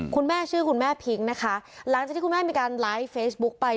คุณแม่ชื่อคุณแม่พิ้งนะคะหลังจากที่คุณแม่มีการไลฟ์เฟซบุ๊กไป